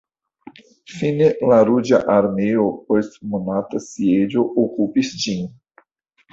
Fine la Ruĝa Armeo post monata sieĝo okupis ĝin.